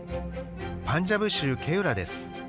パンジャブ州ケウラです。